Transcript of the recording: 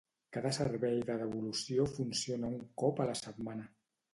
Cada servei de devolució funciona un cop a la setmana.